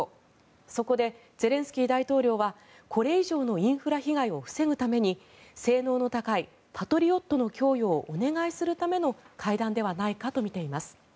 そこでゼレンスキー大統領はこれ以上のインフラ被害を防ぐために性能の高いパトリオットの供与をお願いするための会談ではないかとみています。